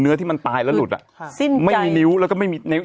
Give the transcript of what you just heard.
เนื้อที่มันตายแล้วหลุดอ่ะซิ่งไม่มีนิ้วแล้วก็ไม่มีนิ้ว